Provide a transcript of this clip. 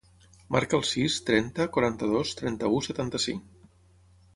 Marca el sis, trenta, quaranta-dos, trenta-u, setanta-cinc.